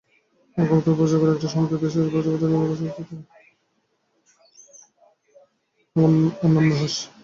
আমার নাম নুহাশ।